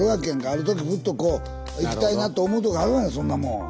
ある時ふっとこう行きたいなと思うとこあるやんそんなもん。